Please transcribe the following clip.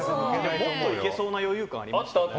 もっといけそうな余裕感ありましたよね。